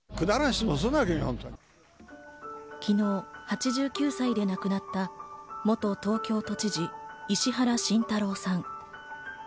昨日、８９歳で亡くなった元東京都知事・石原慎太郎さん。